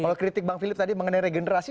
kalau kritik bang philip tadi mengenai regenerasi